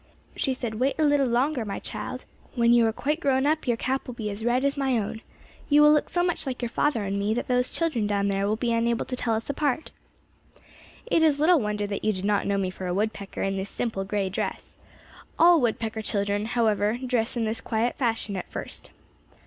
"She said, 'Wait a little longer, my child. When you are quite grown your cap will be as red as my own. You will look so much like your father and me that those children down there will be unable to tell us apart.' "It is little wonder that you did not know me for a woodpecker in this simple gray dress. All woodpecker children, however, dress in this quiet fashion at first.